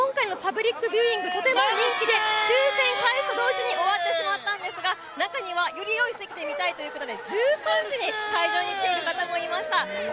今回のパブリックビューイング、とても人気で抽選開始と同時に終わってしまったんですが、中にはより良い席で見たいということで１３時に会場に来ている方もいました。